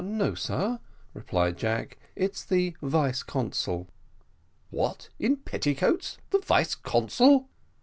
"No, sir," replied Jack; "it's the vice consul." "What, in petticoats! the vice consul?"